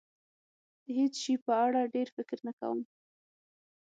د هېڅ شي په اړه ډېر فکر نه کوم.